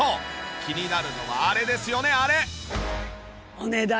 気になるのはあれですよねあれ。